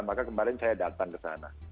maka kemarin saya datang ke sana